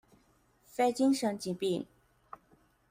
非精神疾病